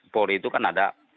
polri itu kan ada